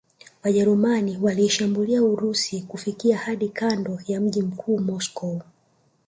Wajerumani waliishambulia Urusi wakifika hadi kando ya mji mkuu Moscow